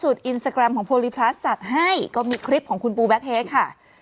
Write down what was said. อินสตาแกรมของโพลิพลัสจัดให้ก็มีคลิปของคุณปูแบ็คเฮกค่ะ